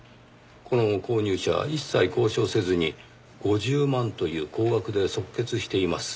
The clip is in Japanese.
この購入者一切交渉せずに５０万という高額で即決しています。